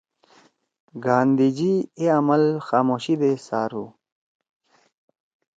گاندھی جی اے عمل خاموشی دے څارُو